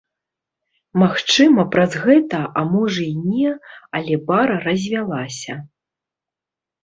Магчыма, праз гэта, а можа і не, але пара развялася.